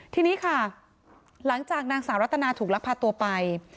ทีนี้ค่ะหลังจากนางสาวรัตนาถูกลักพาตัวไป